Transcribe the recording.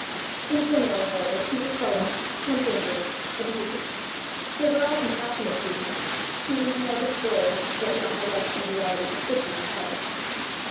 In general, however, he was sullen, cantankerous, abusive. They were all compassionate to him, treating him like a spoiled, but not the less in reality a sickly child.